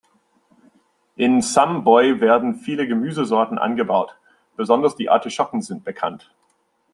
In Sant Boi werden viele Gemüsesorten angebaut, besonders die Artischocken sind bekannt.